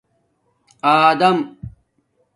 آدم